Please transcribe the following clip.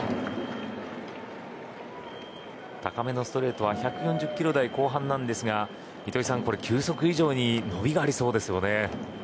高めのストレートは１４０キロ台後半ですが糸井さん、球速以上に伸びがありそうですよね。